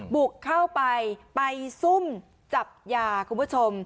บุกเข้าไปไปซุ่มจับยาคุณผู้ชม